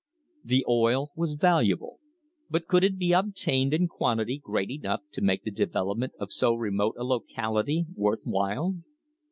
* The oil was valuable, but could it be obtained in quanti ties great enough to make the development of so remote a locality worth while?